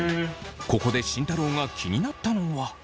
ここで慎太郎が気になったのは。